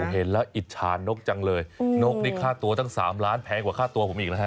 เฮ็ดละอิชานนกจังเลยนกนี่ฆ่าตัวตั้ง๓ล้านแพงกว่าฆ่าตัวผมอีกแหละ